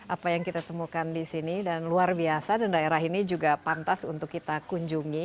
apa yang kita temukan di sini dan luar biasa dan daerah ini juga pantas untuk kita kunjungi